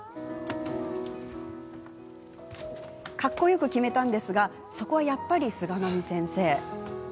かっこよく決めたんですがそこは、やっぱり菅波先生。